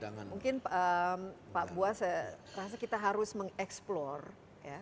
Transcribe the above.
mungkin pak buas rasa kita harus mengeksplor ya